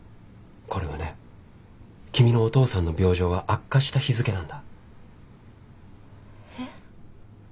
これはね君のお父さんの病状が悪化した日付なんだ。え？